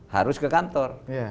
harus ke kantor